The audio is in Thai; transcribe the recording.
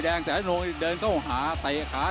ตามต่อยกที่๓ครับ